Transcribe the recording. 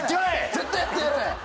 絶対やってやる！